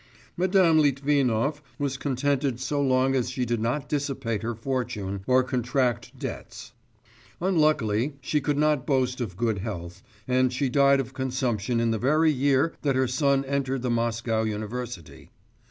Madame Litvinov was contented so long as she did not dissipate her fortune or contract debts. Unluckily she could not boast of good health, and she died of consumption in the very year that her son entered the Moscow university.